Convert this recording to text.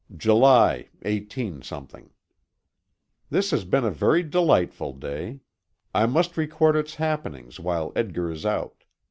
] July, 18 . This has been a very delightful day. I must record its happenings while Edgar is out.